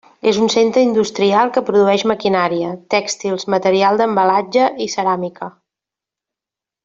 És un centre industrial que produeix maquinària, tèxtils, material d'embalatge i ceràmica.